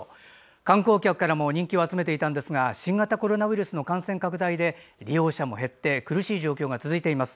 観光客からも人気を集めていたんですが新型コロナウイルスの感染拡大で利用者も減って苦しい状況が続いています。